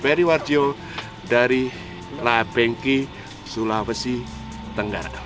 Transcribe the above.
beri warga dari labengki sulawesi tenggara